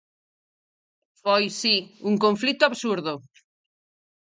Foi, si, un conflito absurdo.